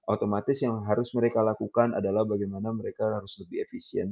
otomatis yang harus mereka lakukan adalah bagaimana mereka harus lebih efisien